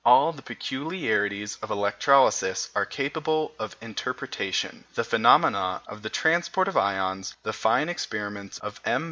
All the peculiarities of electrolysis are capable of interpretation: the phenomena of the transport of ions, the fine experiments of M.